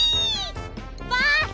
バース